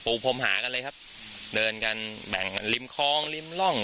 พรมหากันเลยครับเดินกันแบ่งริมคลองริมร่อง